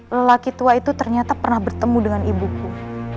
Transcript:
lelaki tua itu ternyata pernah bertemu dengan ibuku